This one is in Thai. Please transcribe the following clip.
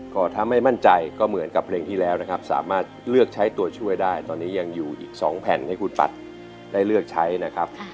ก็ถ้าไม่มั่นใจก็เหมือนกับเพลงที่แล้วนะครับสามารถเลือกใช้ตัวช่วยได้ตอนนี้ยังอยู่อีก๒แผ่นให้คุณปัดได้เลือกใช้นะครับ